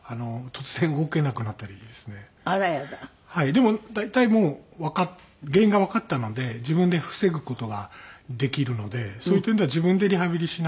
でも大体もう原因がわかったので自分で防ぐ事はできるのでそういう点では自分でリハビリしながら。